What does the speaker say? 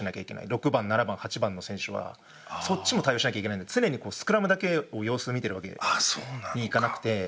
６番７番８番の選手はそっちも対応しなきゃいけないので常にこうスクラムだけを様子見てるわけにいかなくて。